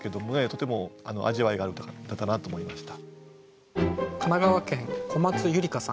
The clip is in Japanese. とても味わいがある歌だなと思いました。